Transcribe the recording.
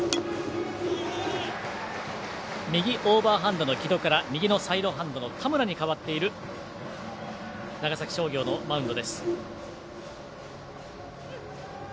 右オーバーハンドの城戸から右のサイドハンドの田村に代わっている長崎商業のマウンド。